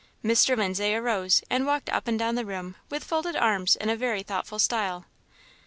Mr. Lindsay arose, and walked up and down the room with folded arms, in a very thoughtful style.